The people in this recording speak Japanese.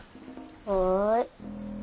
はい。